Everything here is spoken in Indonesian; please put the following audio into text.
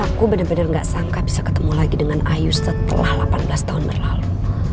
aku benar benar gak sangka bisa ketemu lagi dengan ayu setelah delapan belas tahun berlalu